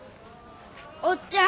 「おっちゃん。